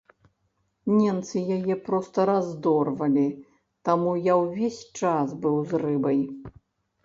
Ненцы яе проста раздорвалі, таму я ўвесь час быў з рыбай.